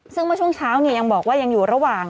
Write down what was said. ซึ่งเมื่อช่วงเช้ายังบอกว่ายังอยู่ระหว่าง